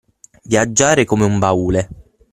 Viaggiare come un baule.